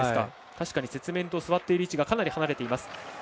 確かに雪面と座っている位置がかなり離れています。